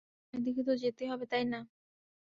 সামনের দিকে তো যেতেই হবে, তাই না!